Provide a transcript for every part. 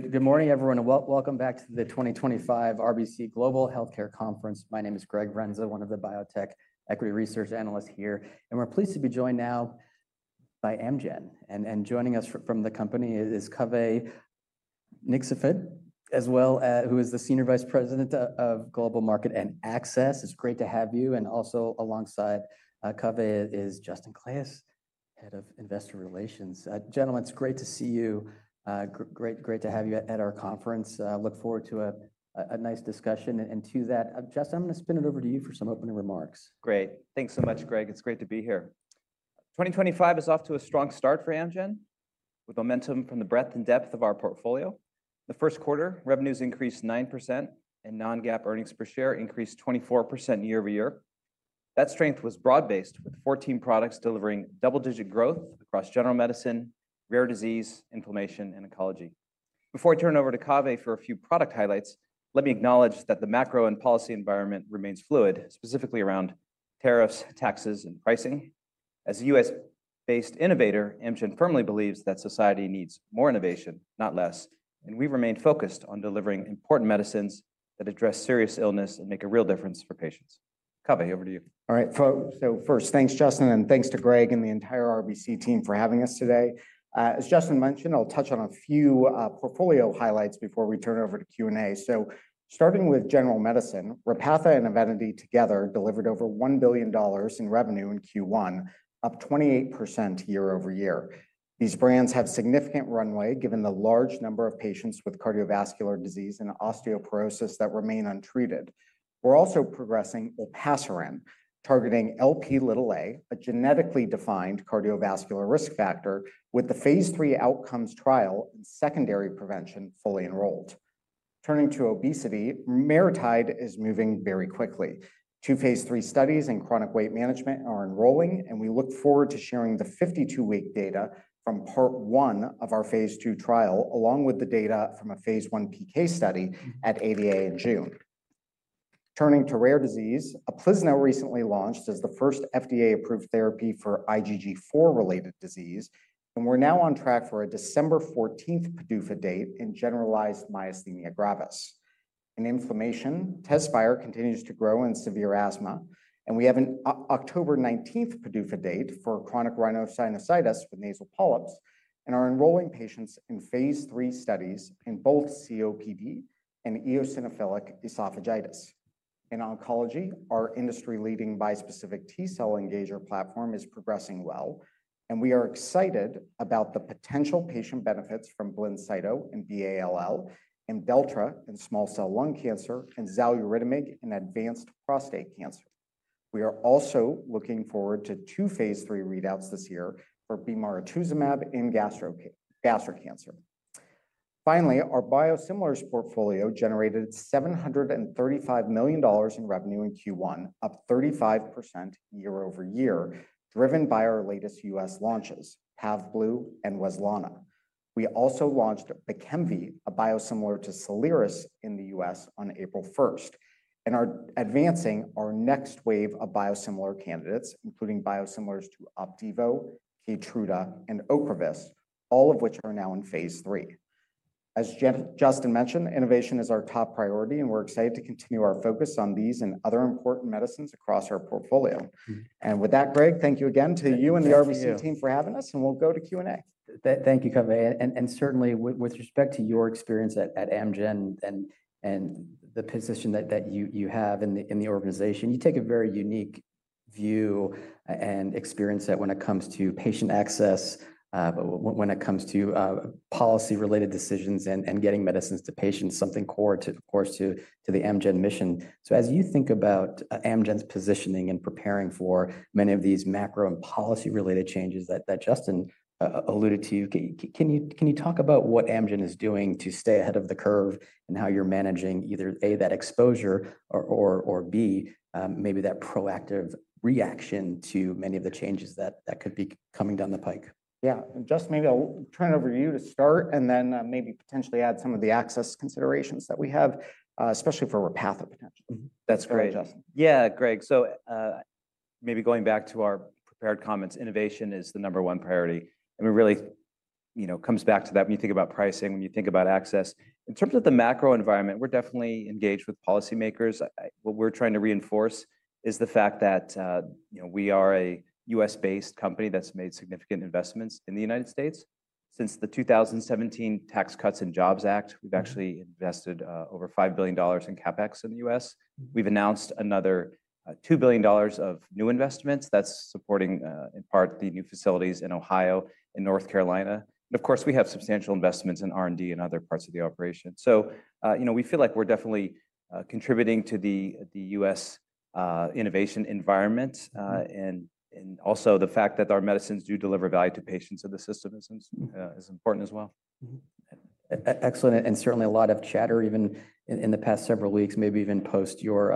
Good morning, everyone, and welcome back to the 2025 RBC Global Healthcare conference. My name is Greg Renza, one of the biotech equity research analysts here, and we're pleased to be joined now by Amgen. Joining us from the company is Kave Niksefat, who is the Senior Vice President of Global Market and Access. It's great to have you. Also alongside Kave is Justin Claeys, Head of Investor Relations. Gentlemen, it's great to see you. Great to have you at our conference. Look forward to a nice discussion. To that, Justin, I'm going to spin it over to you for some opening remarks. Great. Thanks so much, Greg. It's great to be here. 2025 is off to a strong start for Amgen, with momentum from the breadth and depth of our portfolio. The first quarter revenues increased 9%, and non-GAAP earnings per share increased 24% year over year. That strength was broad-based, with 14 products delivering double-digit growth across general medicine, rare disease, inflammation, and oncology. Before I turn it over to Kave for a few product highlights, let me acknowledge that the macro and policy environment remains fluid, specifically around tariffs, taxes, and pricing. As a U.S.-based innovator, Amgen firmly believes that society needs more innovation, not less, and we remain focused on delivering important medicines that address serious illness and make a real difference for patients. Kave, over to you. All right. First, thanks, Justin, and thanks to Greg and the entire RBC team for having us today. As Justin mentioned, I'll touch on a few portfolio highlights before we turn it over to Q&A. Starting with general medicine, Repatha and Evenity together delivered over $1 billion in revenue in Q1, up 28% year over year. These brands have significant runway given the large number of patients with cardiovascular disease and osteoporosis that remain untreated. We're also progressing olpacerin, targeting Lp(a), a genetically defined cardiovascular risk factor, with the phase III outcomes trial and secondary prevention fully enrolled. Turning to obesity, Maritide is moving very quickly. Two phase III studies in chronic weight management are enrolling, and we look forward to sharing the 52-week data from part one of our phase II trial, along with the data from a phase I PK study at ADA in June. Turning to rare disease, Eplizna recently launched as the first FDA-approved therapy for IgG4-related disease, and we're now on track for a December 14th PDUFA date in generalized myasthenia gravis. In inflammation, Tezspire continues to grow in severe asthma, and we have an October 19th PDUFA date for chronic rhinosinusitis with nasal polyps and are enrolling patients in phase III studies in both COPD and eosinophilic esophagitis. In oncology, our industry-leading bispecific T-cell engager platform is progressing well, and we are excited about the potential patient benefits from Blincyto and B-ALL, Emdeltra in small cell lung cancer, and Xaluridamide in advanced prostate cancer. We are also looking forward to two phase III readouts this year for bimaratuzumab in gastric cancer. Finally, our biosimilars portfolio generated $735 million in revenue in Q1, up 35% year over year, driven by our latest U.S. launches, Pavblu and Weslana. We also launched Beckenvy, a biosimilar to Soliris in the U.S. on April 1st, and are advancing our next wave of biosimilar candidates, including biosimilars to Opdivo, Keytruda, and Ocrevus, all of which are now in phase III. As Justin mentioned, innovation is our top priority, and we're excited to continue our focus on these and other important medicines across our portfolio. With that, Greg, thank you again to you and the RBC team for having us, and we'll go to Q&A. Thank you, Kave. Certainly, with respect to your experience at Amgen and the position that you have in the organization, you take a very unique view and experience that when it comes to patient access, when it comes to policy-related decisions and getting medicines to patients, something core, of course, to the Amgen mission. As you think about Amgen's positioning and preparing for many of these macro and policy-related changes that Justin alluded to, can you talk about what Amgen is doing to stay ahead of the curve and how you're managing either A, that exposure, or B, maybe that proactive reaction to many of the changes that could be coming down the pike? Yeah, Justin, maybe I'll turn it over to you to start and then maybe potentially add some of the access considerations that we have, especially for Repatha potentially. That's great, Justin. Yeah, Greg, maybe going back to our prepared comments, innovation is the number one priority. It really comes back to that when you think about pricing, when you think about access. In terms of the macro environment, we're definitely engaged with policymakers. What we're trying to reinforce is the fact that we are a U.S.-based company that's made significant investments in the United States. Since the 2017 Tax Cuts and Jobs Act, we've actually invested over $5 billion in CapEx in the U.S. We've announced another $2 billion of new investments that's supporting in part the new facilities in Ohio and North Carolina. Of course, we have substantial investments in R&D and other parts of the operation. We feel like we're definitely contributing to the U.S. innovation environment. Also the fact that our medicines do deliver value to patients and the system is important as well. Excellent. Certainly a lot of chatter even in the past several weeks, maybe even post your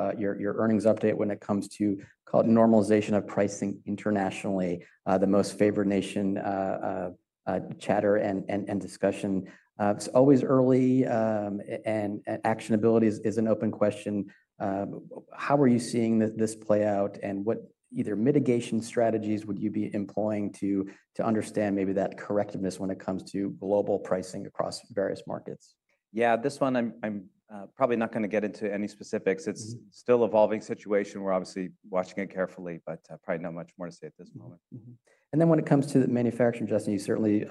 earnings update when it comes to normalization of pricing internationally, the most favored nation chatter and discussion. It's always early, and actionability is an open question. How are you seeing this play out, and what either mitigation strategies would you be employing to understand maybe that correctiveness when it comes to global pricing across various markets? Yeah, this one, I'm probably not going to get into any specifics. It's still an evolving situation. We're obviously watching it carefully, but probably not much more to say at this moment. When it comes to manufacturing, Justin, you certainly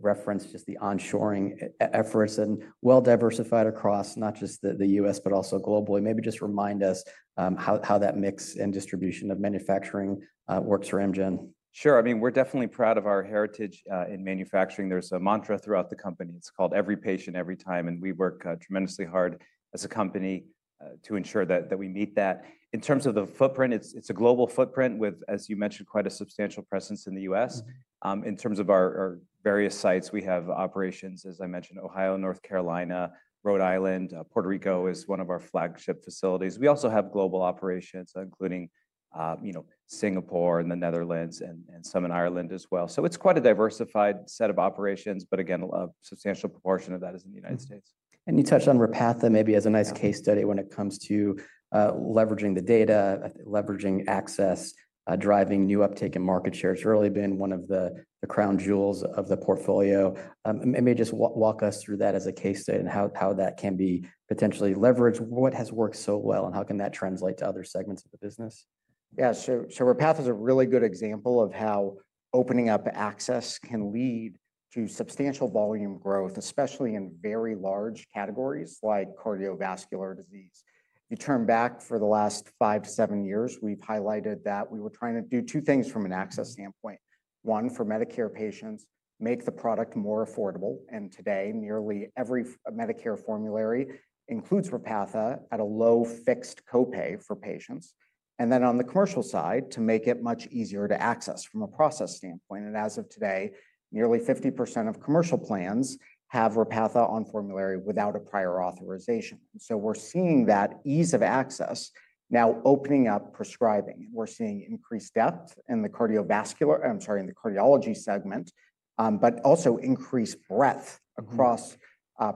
referenced just the onshoring efforts and well-diversified across not just the U.S., but also globally. Maybe just remind us how that mix and distribution of manufacturing works for Amgen. Sure. I mean, we're definitely proud of our heritage in manufacturing. There's a mantra throughout the company. It's called every patient, every time. We work tremendously hard as a company to ensure that we meet that. In terms of the footprint, it's a global footprint with, as you mentioned, quite a substantial presence in the U.S. In terms of our various sites, we have operations, as I mentioned, Ohio, North Carolina, Rhode Island, Puerto Rico is one of our flagship facilities. We also have global operations, including Singapore and the Netherlands and some in Ireland as well. It is quite a diversified set of operations, but again, a substantial proportion of that is in the United States. You touched on Repatha maybe as a nice case study when it comes to leveraging the data, leveraging access, driving new uptake and market share has really been one of the crown jewels of the portfolio. Maybe just walk us through that as a case study and how that can be potentially leveraged. What has worked so well, and how can that translate to other segments of the business? Yeah, so Repatha is a really good example of how opening up access can lead to substantial volume growth, especially in very large categories like cardiovascular disease. If you turn back for the last five to seven years, we've highlighted that we were trying to do two things from an access standpoint. One, for Medicare patients, make the product more affordable. Today, nearly every Medicare formulary includes Repatha at a low fixed copay for patients. Then on the commercial side, to make it much easier to access from a process standpoint. As of today, nearly 50% of commercial plans have Repatha on formulary without a prior authorization. We're seeing that ease of access now opening up prescribing. We're seeing increased depth in the cardiovascular, I'm sorry, in the cardiology segment, but also increased breadth across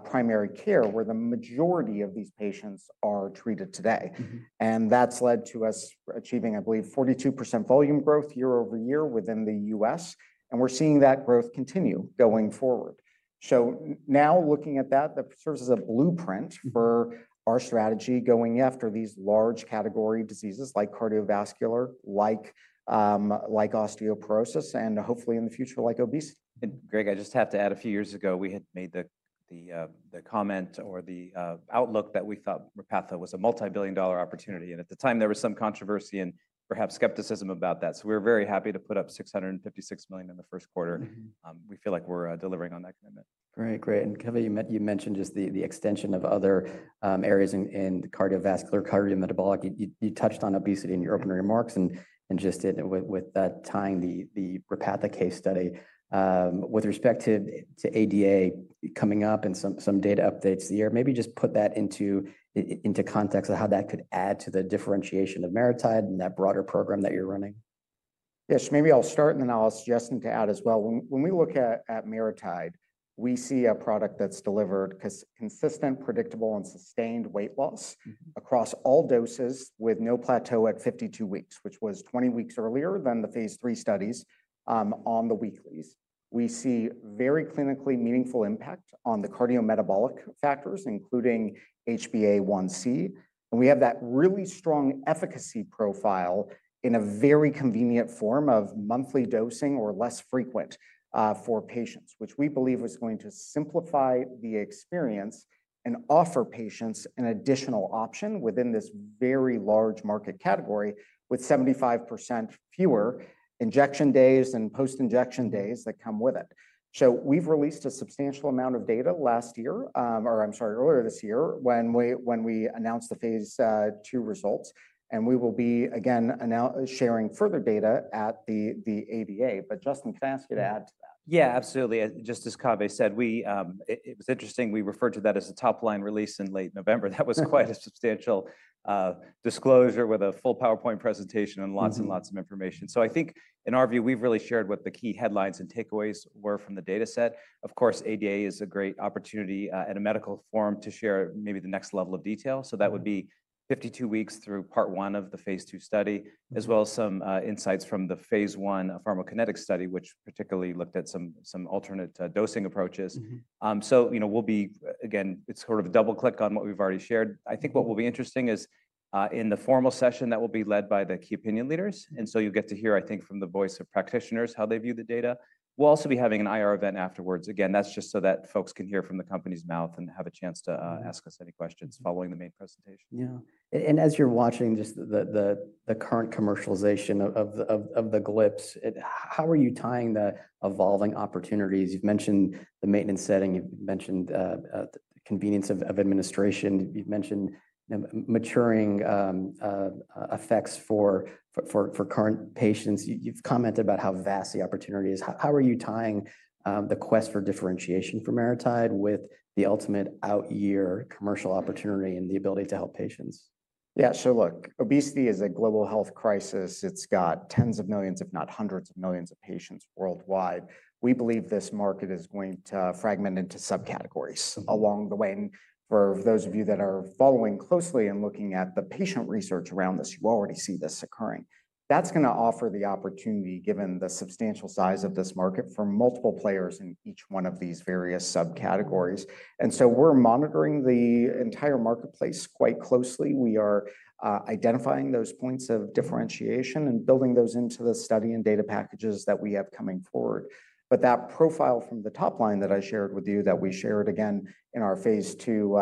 primary care where the majority of these patients are treated today. That has led to us achieving, I believe, 42% volume growth year over year within the U.S. We're seeing that growth continue going forward. Looking at that, that serves as a blueprint for our strategy going after these large category diseases like cardiovascular, like osteoporosis, and hopefully in the future, like obesity. Greg, I just have to add a few years ago, we had made the comment or the outlook that we thought Repatha was a multi-billion dollar opportunity. At the time, there was some controversy and perhaps skepticism about that. We were very happy to put up $656 million in the first quarter. We feel like we're delivering on that commitment. Right, great. Kave, you mentioned just the extension of other areas in cardiovascular, cardiometabolic. You touched on obesity in your opening remarks and just with that tying the Repatha case study. With respect to ADA coming up and some data updates here, maybe just put that into context of how that could add to the differentiation of Maritide and that broader program that you're running. Yes, maybe I'll start, and then I'll ask Justin to add as well. When we look at Maritide, we see a product that's delivered consistent, predictable, and sustained weight loss across all doses with no plateau at 52 weeks, which was 20 weeks earlier than the phase III studies on the weeklies. We see very clinically meaningful impact on the cardiometabolic factors, including HbA1c. We have that really strong efficacy profile in a very convenient form of monthly dosing or less frequent for patients, which we believe is going to simplify the experience and offer patients an additional option within this very large market category with 75% fewer injection days and post-injection days that come with it. We released a substantial amount of data earlier this year when we announced the phase II results. We will be, again, sharing further data at the ADA. Justin, can I ask you to add to that? Yeah, absolutely. Just as Kave said, it was interesting. We referred to that as a top-line release in late November. That was quite a substantial disclosure with a full PowerPoint presentation and lots and lots of information. I think in our view, we've really shared what the key headlines and takeaways were from the data set. Of course, ADA is a great opportunity at a medical forum to share maybe the next level of detail. That would be 52 weeks through part one of the phase II study, as well as some insights from the phase I pharmacokinetic study, which particularly looked at some alternate dosing approaches. We'll be, again, it's sort of a double-click on what we've already shared. I think what will be interesting is in the formal session that will be led by the key opinion leaders. You'll get to hear, I think, from the voice of practitioners how they view the data. We'll also be having an IR event afterwards. Again, that's just so that folks can hear from the company's mouth and have a chance to ask us any questions following the main presentation. Yeah. And as you're watching just the current commercialization of the GLIPs, how are you tying the evolving opportunities? You've mentioned the maintenance setting. You've mentioned the convenience of administration. You've mentioned maturing effects for current patients. You've commented about how vast the opportunity is. How are you tying the quest for differentiation for Maritide with the ultimate out-year commercial opportunity and the ability to help patients? Yeah, so look, obesity is a global health crisis. It's got tens of millions, if not hundreds of millions of patients worldwide. We believe this market is going to fragment into subcategories along the way. For those of you that are following closely and looking at the patient research around this, you already see this occurring. That's going to offer the opportunity, given the substantial size of this market, for multiple players in each one of these various subcategories. We are monitoring the entire marketplace quite closely. We are identifying those points of differentiation and building those into the study and data packages that we have coming forward. That profile from the top line that I shared with you, that we shared again in our phase II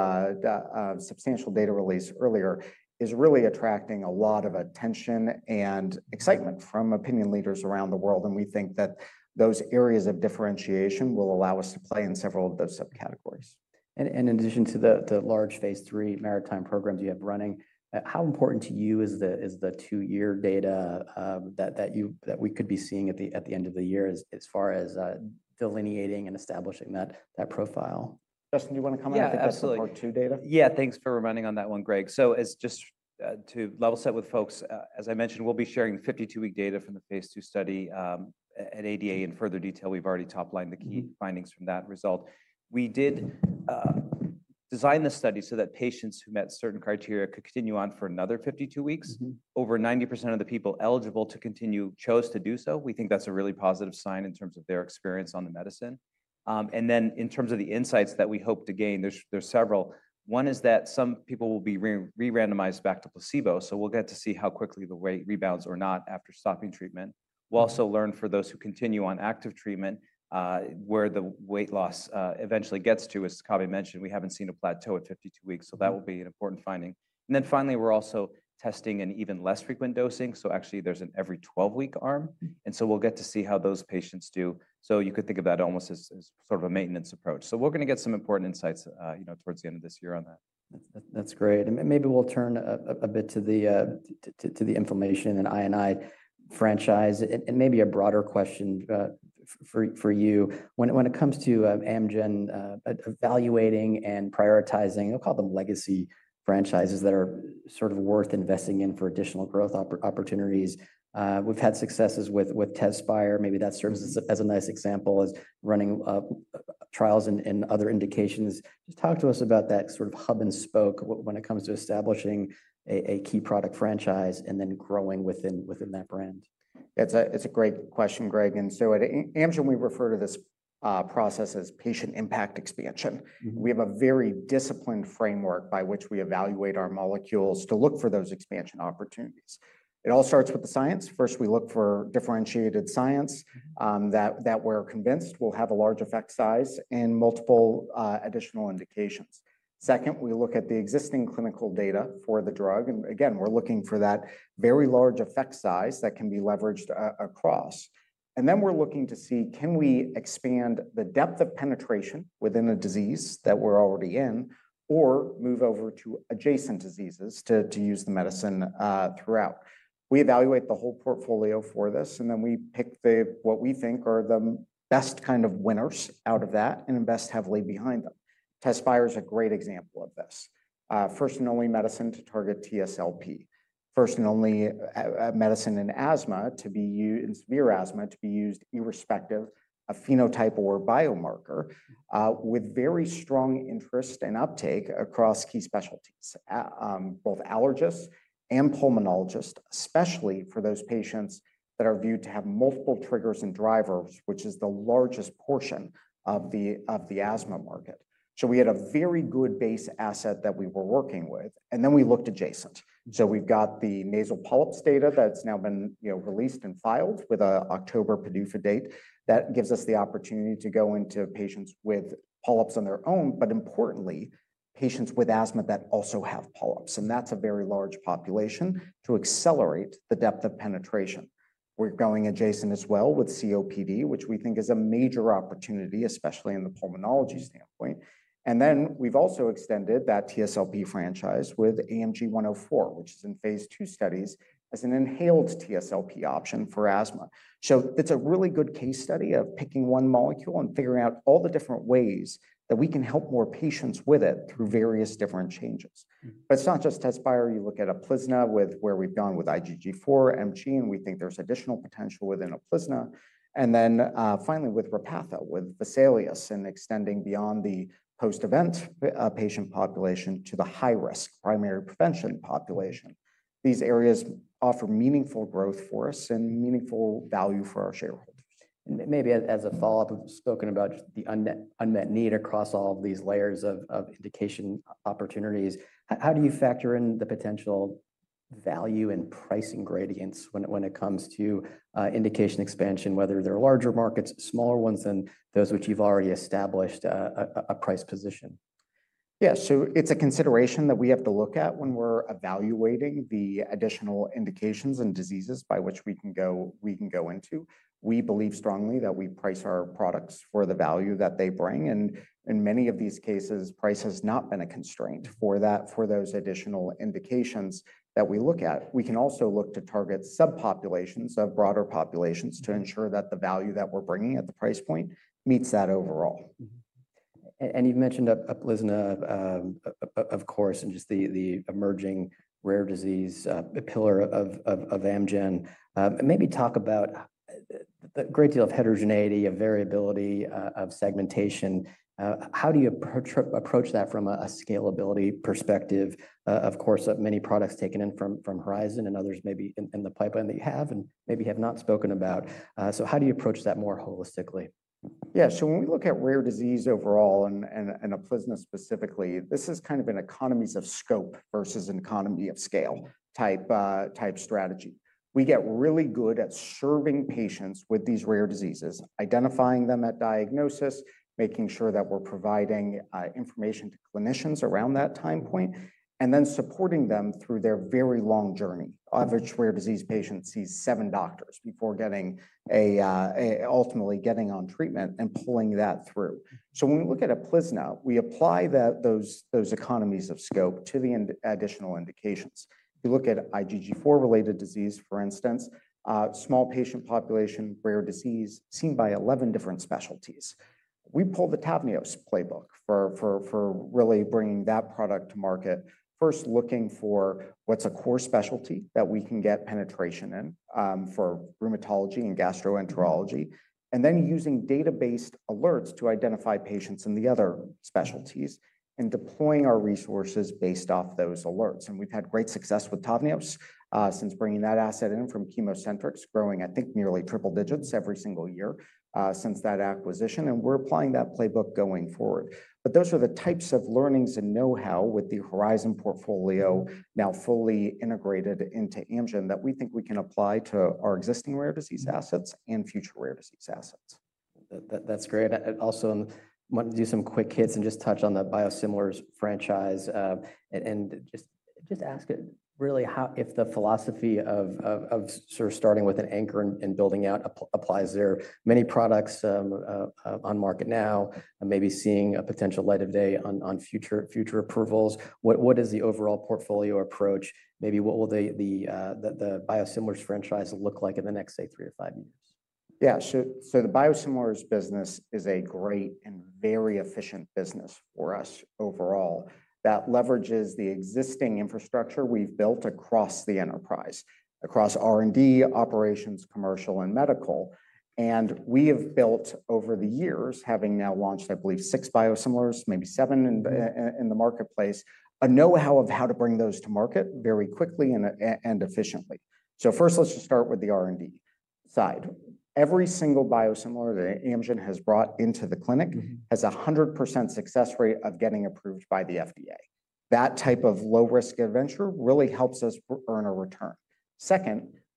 substantial data release earlier, is really attracting a lot of attention and excitement from opinion leaders around the world. We think that those areas of differentiation will allow us to play in several of those subcategories. In addition to the large phase III maritime programs you have running, how important to you is the two-year data that we could be seeing at the end of the year as far as delineating and establishing that profile? Justin, do you want to comment on that part two data? Yeah, thanks for reminding on that one, Greg. Just to level set with folks, as I mentioned, we'll be sharing 52-week data from the phase II study at ADA in further detail. We've already toplined the key findings from that result. We did design the study so that patients who met certain criteria could continue on for another 52 weeks. Over 90% of the people eligible to continue chose to do so. We think that's a really positive sign in terms of their experience on the medicine. In terms of the insights that we hope to gain, there's several. One is that some people will be re-randomized back to placebo. We'll get to see how quickly the weight rebounds or not after stopping treatment. We'll also learn for those who continue on active treatment where the weight loss eventually gets to, as Kave mentioned, we haven't seen a plateau at 52 weeks. That will be an important finding. Finally, we're also testing an even less frequent dosing. Actually, there's an every 12-week arm, and we'll get to see how those patients do. You could think of that almost as sort of a maintenance approach. We're going to get some important insights towards the end of this year on that. That's great. Maybe we'll turn a bit to the inflammation and INI franchise and maybe a broader question for you. When it comes to Amgen evaluating and prioritizing, they'll call them legacy franchises that are sort of worth investing in for additional growth opportunities. We've had successes with Tezspire. Maybe that serves as a nice example as running trials and other indications. Just talk to us about that sort of hub and spoke when it comes to establishing a key product franchise and then growing within that brand. It's a great question, Greg. At Amgen, we refer to this process as patient impact expansion. We have a very disciplined framework by which we evaluate our molecules to look for those expansion opportunities. It all starts with the science. First, we look for differentiated science that we're convinced will have a large effect size and multiple additional indications. Second, we look at the existing clinical data for the drug. Again, we're looking for that very large effect size that can be leveraged across. We are looking to see, can we expand the depth of penetration within a disease that we are already in or move over to adjacent diseases to use the medicine throughout? We evaluate the whole portfolio for this, and then we pick what we think are the best kind of winners out of that and invest heavily behind them. Tezspire is a great example of this. First and only medicine to target TSLP. First and only medicine in asthma to be used in severe asthma to be used irrespective of phenotype or biomarker with very strong interest and uptake across key specialties, both allergists and pulmonologists, especially for those patients that are viewed to have multiple triggers and drivers, which is the largest portion of the asthma market. We had a very good base asset that we were working with. We looked adjacent. We've got the nasal polyps data that's now been released and filed with an October PDUFA date. That gives us the opportunity to go into patients with polyps on their own, but importantly, patients with asthma that also have polyps. That's a very large population to accelerate the depth of penetration. We're going adjacent as well with COPD, which we think is a major opportunity, especially in the pulmonology standpoint. We've also extended that TSLP franchise with AMG 104, which is in phase II studies as an inhaled TSLP option for asthma. It's a really good case study of picking one molecule and figuring out all the different ways that we can help more patients with it through various different changes. It's not just Tezspire. You look at Eplizna with where we've gone with IgG4, MG, and we think there's additional potential within Eplizna. Finally, with Repatha with Vesalius and extending beyond the post-event patient population to the high-risk primary prevention population, these areas offer meaningful growth for us and meaningful value for our shareholders. Maybe as a follow-up, we've spoken about the unmet need across all of these layers of indication opportunities. How do you factor in the potential value and pricing gradients when it comes to indication expansion, whether they're larger markets, smaller ones, and those which you've already established a price position? Yeah, so it's a consideration that we have to look at when we're evaluating the additional indications and diseases by which we can go into. We believe strongly that we price our products for the value that they bring. In many of these cases, price has not been a constraint for those additional indications that we look at. We can also look to target subpopulations of broader populations to ensure that the value that we're bringing at the price point meets that overall. You have mentioned Eplizna, of course, and just the emerging rare disease pillar of Amgen. Maybe talk about the great deal of heterogeneity, of variability, of segmentation. How do you approach that from a scalability perspective? Of course, many products taken in from Horizon and others maybe in the pipeline that you have and maybe have not spoken about. How do you approach that more holistically? Yeah, when we look at rare disease overall and Eplizna specifically, this is kind of an economies of scope versus an economy of scale type strategy. We get really good at serving patients with these rare diseases, identifying them at diagnosis, making sure that we're providing information to clinicians around that time point, and then supporting them through their very long journey, of which rare disease patients see seven doctors before ultimately getting on treatment and pulling that through. When we look at Eplizna, we apply those economies of scope to the additional indications. You look at IgG4-related disease, for instance, small patient population, rare disease seen by 11 different specialties. We pull the Tavneos playbook for really bringing that product to market, first looking for what's a core specialty that we can get penetration in for rheumatology and gastroenterology, and then using database alerts to identify patients in the other specialties and deploying our resources based off those alerts. We have had great success with Tavneos since bringing that asset in from ChemoCentryx, growing, I think, nearly triple digits every single year since that acquisition. We are applying that playbook going forward. Those are the types of learnings and know-how with the Horizon portfolio now fully integrated into Amgen that we think we can apply to our existing rare disease assets and future rare disease assets. That is great. I also want to do some quick hits and just touch on the biosimilars franchise and just ask really how, if the philosophy of sort of starting with an anchor and building out, applies there. Many products on market now, maybe seeing a potential light of day on future approvals. What is the overall portfolio approach? Maybe what will the biosimilars franchise look like in the next three or five years? Yeah, the biosimilars business is a great and very efficient business for us overall that leverages the existing infrastructure we've built across the enterprise, across R&D, operations, commercial, and medical. We have built over the years, having now launched, I believe, six biosimilars, maybe seven in the marketplace, a know-how of how to bring those to market very quickly and efficiently. First, let's just start with the R&D side. Every single biosimilar that Amgen has brought into the clinic has a 100% success rate of getting approved by the FDA. That type of low-risk adventure really helps us earn a return.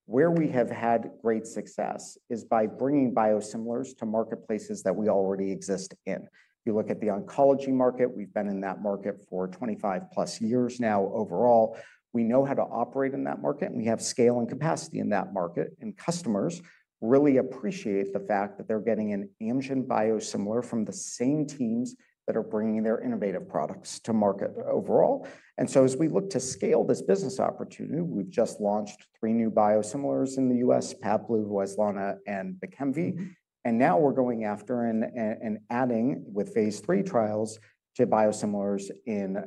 Where we have had great success is by bringing biosimilars to marketplaces that we already exist in. If you look at the oncology market, we've been in that market for 25 plus years now overall. We know how to operate in that market. We have scale and capacity in that market. Customers really appreciate the fact that they're getting an Amgen biosimilar from the same teams that are bringing their innovative products to market overall. As we look to scale this business opportunity, we've just launched three new biosimilars in the U.S.: Pavblu, Weslana, and Beckenvy. Now we're going after and adding with phase III trials to biosimilars in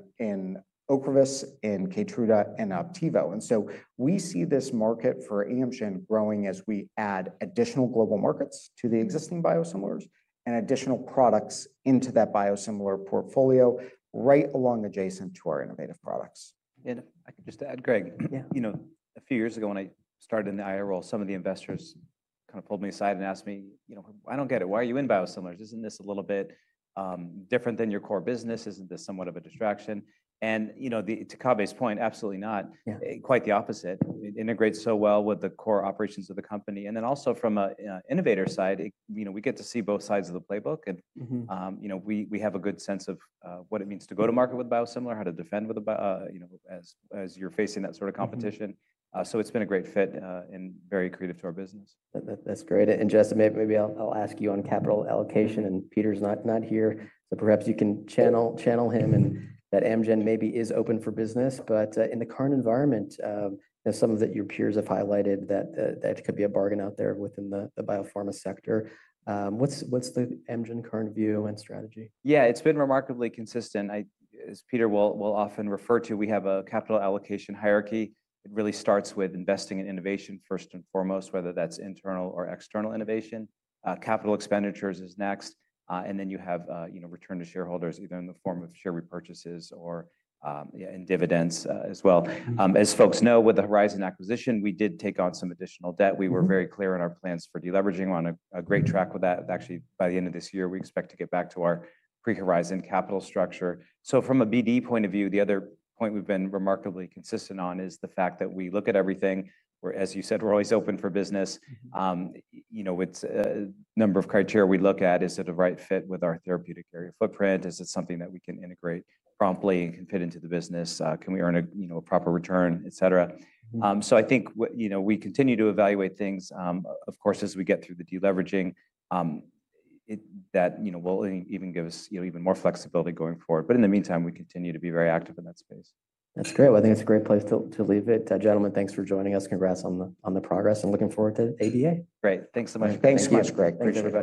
Ocrevus, in Keytruda, and Opdivo. We see this market for Amgen growing as we add additional global markets to the existing biosimilars and additional products into that biosimilar portfolio right along adjacent to our innovative products. I can just add, Greg, you know a few years ago when I started in the IRO, some of the investors kind of pulled me aside and asked me, you know, I don't get it. Why are you in biosimilars? Isn't this a little bit different than your core business? Isn't this somewhat of a distraction? To Kave's point, absolutely not. Quite the opposite. It integrates so well with the core operations of the company. Also from an innovator side, we get to see both sides of the playbook. We have a good sense of what it means to go to market with biosimilar, how to defend as you're facing that sort of competition. It has been a great fit and very creative to our business. That's great. Justin, maybe I'll ask you on capital allocation. Peter's not here, so perhaps you can channel him and that Amgen maybe is open for business. In the current environment, some of your peers have highlighted that there could be a bargain out there within the biopharma sector. What's the Amgen current view and strategy? Yeah, it's been remarkably consistent. As Peter will often refer to, we have a capital allocation hierarchy. It really starts with investing in innovation first and foremost, whether that's internal or external innovation. Capital expenditures is next. Then you have return to shareholders either in the form of share repurchases or in dividends as well. As folks know, with the Horizon acquisition, we did take on some additional debt. We were very clear in our plans for deleveraging. We're on a great track with that. Actually, by the end of this year, we expect to get back to our pre-Horizon capital structure. From a BD point of view, the other point we've been remarkably consistent on is the fact that we look at everything. As you said, we're always open for business. The number of criteria we look at is it a right fit with our therapeutic area footprint? Is it something that we can integrate promptly and can fit into the business? Can we earn a proper return, et cetera? I think we continue to evaluate things, of course, as we get through the deleveraging that will even give us even more flexibility going forward. In the meantime, we continue to be very active in that space. That's great. I think it's a great place to leave it. Gentlemen, thanks for joining us. Congrats on the progress. I'm looking forward to ADA. Great. Thanks so much. Thanks so much, Greg.